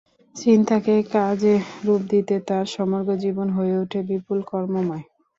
চিন্তাকে কাজে রূপ দিতে তাঁর সমগ্র জীবন হয়ে ওঠে বিপুল কর্মময়।